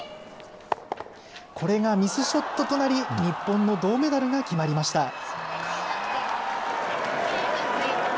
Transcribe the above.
これがミスショットとなり、日本の銅メダルが決まりました。